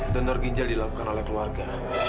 donor ginjal dilakukan oleh keluarga